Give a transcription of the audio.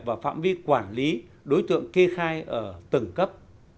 và phạm vi quản lý đối tượng kê khai ở từng cấp